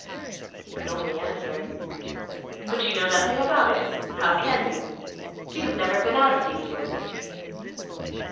He could only answer, "But you know nothing about it. How can you? You have never been out of these woods."